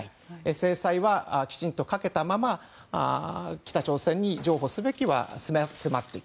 制裁はきちんとかけたまま北朝鮮に譲歩すべきは迫っていく。